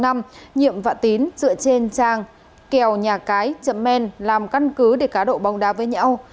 nhiệm vạn tín dựa trên trang kèo nhà cái chậm men làm căn cứ để cá độ bóng đá với nhau